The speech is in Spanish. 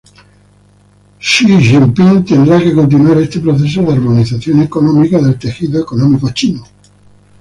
Xi Jinping tendrá que continuar este proceso de armonización económica del tejido económico chino.